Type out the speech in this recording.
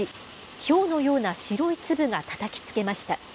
ひょうのような白い粒がたたきつけました。